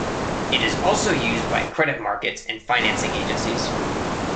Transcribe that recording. It is also used by credit markets and financing agencies.